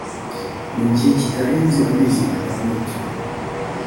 mu gihe kitarenze amezi atandatu